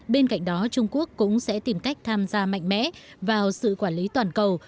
bên cạnh đó trung quốc cũng sẽ tìm cách tham gia mạnh mẽ vào sự quản lý toàn cầu